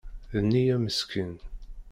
D neyya meskin.